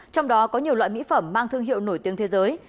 trong đó có nhiều loại mỹ phẩm mang thương hiệu nổi tiếng thế giới